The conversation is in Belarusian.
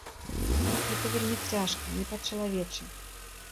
Гэта вельмі цяжка, не па-чалавечы.